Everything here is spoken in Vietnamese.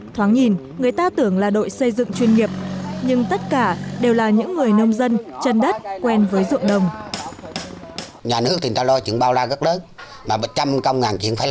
thoáng nhìn người ta tưởng là đội xây dựng chuyên nghiệp nhưng tất cả đều là những người nông dân chân đất quen với ruộng đồng